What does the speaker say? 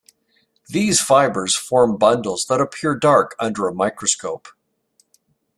These fibers form bundles that appear dark under a microscope.